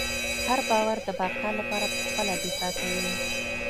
هر باور د بقا لپاره پخپله دفاع کوي.